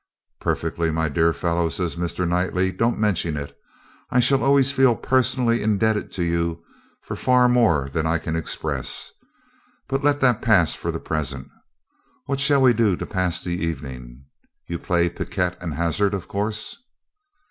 'Perfectly, my dear fellow,' says Mr. Knightley. 'Don't mention it. I shall always feel personally indebted to you for far more than I can express. But let that pass for the present. What shall we do to pass the evening? You play picquet and hazard, of course?'